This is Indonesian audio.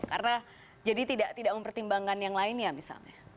karena jadi tidak mempertimbangkan yang lain ya misalnya